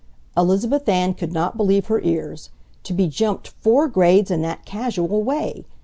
Elizabeth Ann could not believe her ears. To be "jumped" four grades in that casual way!